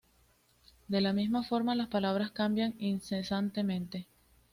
De la misma forma las palabras cambian incesantemente.